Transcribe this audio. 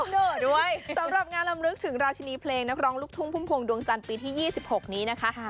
ดอกด้วยสำหรับงานลำลึกถึงราชินีเพลงนักรองลูกทุ้งภุมภวงดวงจันทร์ปีที่ยี่สิบหกนี้นะคะ